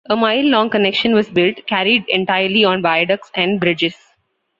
A mile-long connection was built, carried entirely on viaducts and bridges.